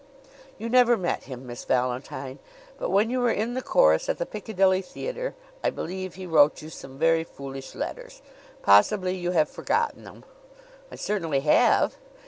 "You never met him, Miss Valentine; but when you were in the chorus at the Piccadilly Theatre, I believe, he wrote you some very foolish letters. Possibly you have forgotten them?" "I certainly have."